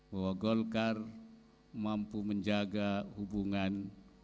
bahwa golkar mampu menjaga hubungan